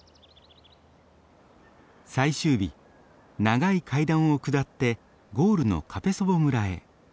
最終日長い階段を下ってゴールのカペソヴォ村へ。